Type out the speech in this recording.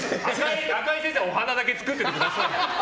赤井先生、お花だけ作っててくださいよ！